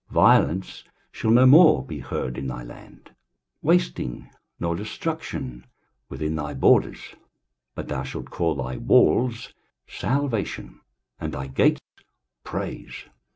23:060:018 Violence shall no more be heard in thy land, wasting nor destruction within thy borders; but thou shalt call thy walls Salvation, and thy gates Praise.